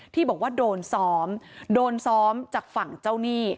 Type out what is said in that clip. ที่บอกว่าโดนซ้อมโดนซ้อมจากฝั่งเจ้าหนี้